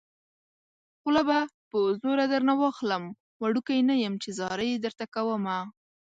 خوله به په زوره درنه واخلم وړوکی نه يم چې ځاري درته کومه